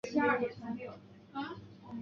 现任董事长为温世仁长子温泰钧。